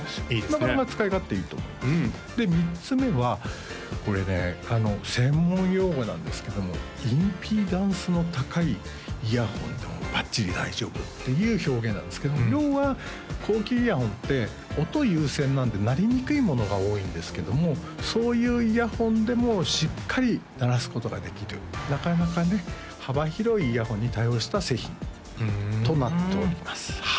なかなか使い勝手いいと思いますで３つ目はこれね専門用語なんですけどもインピーダンスの高いイヤホンでもばっちり大丈夫っていう表現なんですけど要は高級イヤホンって音優先なんでなりにくいものが多いんですけどもそういうイヤホンでもしっかりならすことができるなかなかね幅広いイヤホンに対応した製品となっております